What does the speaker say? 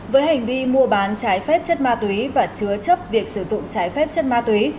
với hành vi mua bán trái phép chất ma túy và chứa chấp việc sử dụng trái phép chất ma túy